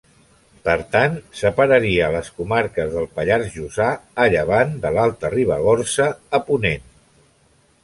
Per tant, separaria les comarques del Pallars Jussà, a llevant, de l'Alta Ribagorça, a ponent.